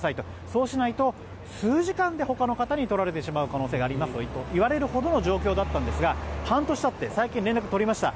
そうしないと数時間でほかの方に取られてしまう可能性がありますと言われるほどの状況だったんですが半年たって最近、連絡を取りました。